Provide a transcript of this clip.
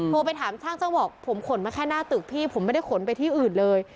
ไปถามช่างช่างบอกผมขนมาแค่หน้าตึกพี่ผมไม่ได้ขนไปที่อื่นเลย